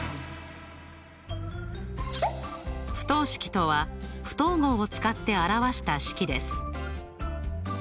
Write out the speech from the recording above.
不等式とは不等号を使って表した式です。